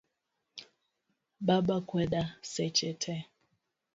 Baba kweda seche tee.